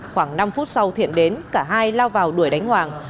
khoảng năm phút sau thiện đến cả hai lao vào đuổi đánh hoàng